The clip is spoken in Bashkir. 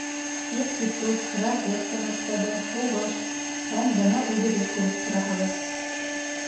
Институт... разведка мәктәбе... һуғыш... һәм бына - үҙегеҙ күреп тораһығыҙ.